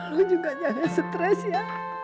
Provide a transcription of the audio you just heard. lu juga jangan stress ya